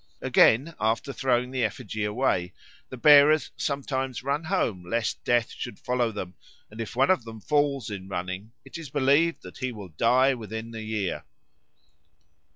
Again, after throwing the effigy away, the bearers sometimes run home lest Death should follow them, and if one of them falls in running, it is believed that he will die within the year.